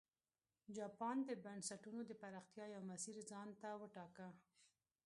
جاپان د بنسټونو د پراختیا یو مسیر ځان ته وټاکه.